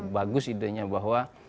bagus idenya bahwa